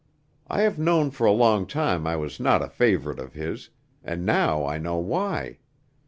I have known for a long time I was not a favorite of his, and now I know why.